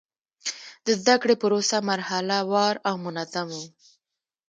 د زده کړې پروسه مرحله وار او منظم و.